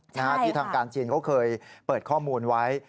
นะฮะที่ทางการจีนเขาเคยเปิดข้อมูลไว้